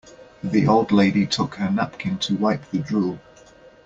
The old lady took her napkin to wipe the drool.